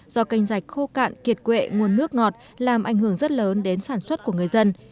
do canh rạch khô cạn kiệt quệ nguồn nước ngọt làm ảnh hưởng rất lớn đến sản xuất của người dân